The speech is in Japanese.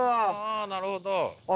あなるほど。